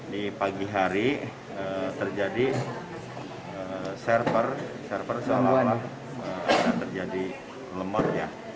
di pagi hari terjadi server server seolah olah dan terjadi lemotnya